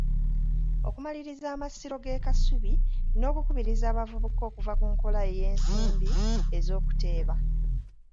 Okumaliriza amasiro g’e Kasubi n'okukubiriza abavubuka okuva ku nkola ey’ensimbi ez’okuteeba.